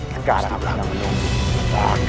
sekarang akan menunggu